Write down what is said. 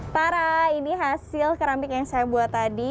taraaa ini hasil keramik yang saya buat tadi